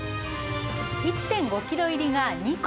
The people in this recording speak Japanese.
１．５キロ入りが２個。